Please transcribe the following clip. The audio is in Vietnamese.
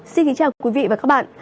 xin kính chào quý vị và các bạn